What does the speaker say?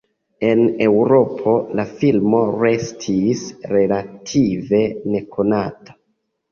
En Eŭropo, la filmo restis relative nekonata.